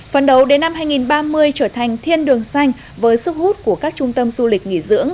phần đầu đến năm hai nghìn ba mươi trở thành thiên đường xanh với sức hút của các trung tâm du lịch nghỉ dưỡng